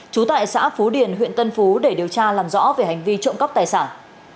trú tại xã phú điền huyện tân phú để điều tra làm rõ về hành vi trộm cắp tài sản